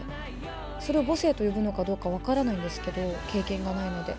それを母性と呼ぶのかどうか、分からないんですけど、経験がないので。